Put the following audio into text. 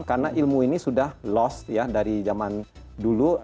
karena ilmu ini sudah lost ya dari zaman dulu